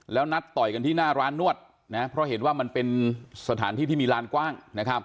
แล้วนัดต่อยกันที่หน้าร้านนวดนะเพราะเห็นว่ามันเป็นสถานที่ที่มีลานกว้าง